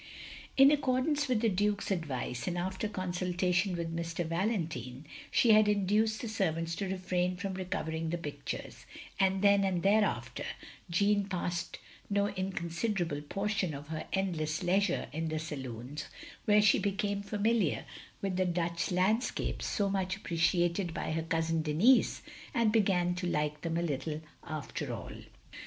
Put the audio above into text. In accordance with the Dtike's advice, and after consultation with Mr. Valentiae, she had induced the servants to refrain from recovering the pictures, and then and thereafter Jeanne passed no inconsiderable portion of her endless leisure in the saloons, where she became familiar with the Dutch landscapes so much appreciated by her cousin Denis, and began to like them a little, after all.